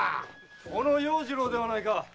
・小野要次郎ではないか！